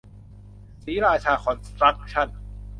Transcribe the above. ศรีราชาคอนสตรัคชั่น